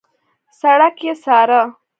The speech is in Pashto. سړک يې څاره.